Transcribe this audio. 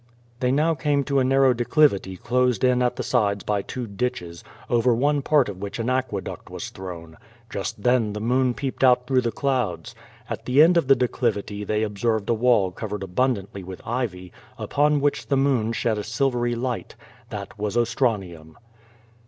They now came to a narrow declivity closed in at the sides by two ditches, over one part of which an acqueduct was 156 Q^O VADIS. thrown. Just then the moon peeped out through the clouds. At the end of the declivity they observed a wall covered abundantly with ivy, upon which the moon shed a silvery light. That was Ostranium.